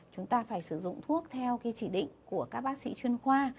chúng ta phải sử dụng thuốc theo cái chỉ định của các bác sĩ chuyên khoa